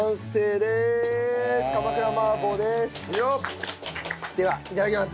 ではいただきます。